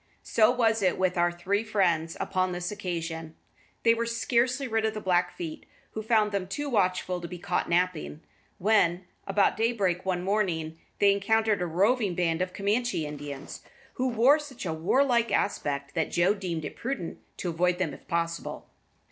So was it with our three friends upon this occasion. They were scarcely rid of the Blackfeet, who found them too watchful to be caught napping, when, about daybreak one morning, they encountered a roving band of Camanchee Indians, who wore such a warlike aspect that Joe deemed it prudent to avoid them if possible.